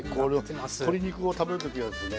鶏肉を食べる時はですね